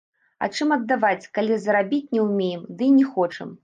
А чым аддаваць, калі зарабіць не ўмеем, дый не хочам?